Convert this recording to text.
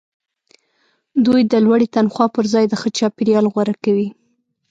دوی د لوړې تنخوا پرځای د ښه چاپیریال غوره کوي